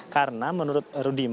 karena menurut rudi